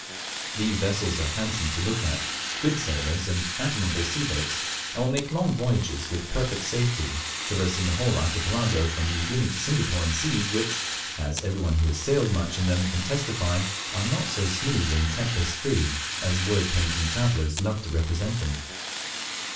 These vessels are handsome to look at, good sailers, and admirable sea boats, and will make long voyages with perfect safety, traversing the whole Archipelago from New Guinea to Singapore in seas which, as every one who has sailed much in them can testify, are not so smooth and tempest free as word painting travellers love to represent them.